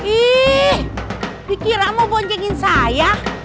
ih dikira mau bonjengin saya